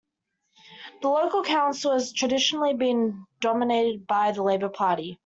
The local council has traditionally been dominated by the Labour Party.